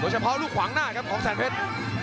เฉพาะลูกขวางหน้าครับของแสนเพชร